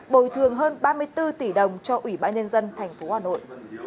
bồi thường hơn ba mươi bốn tỷ đồng cho ủy ban nhân dân tp hà nội